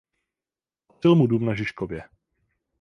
Patřil mu dům na Žižkově.